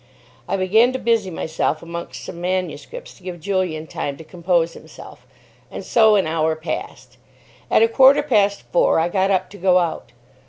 I began to busy myself amongst some manuscripts to give Julian time to compose himself. And so an hour passed. At a quarter past four I got up to go out.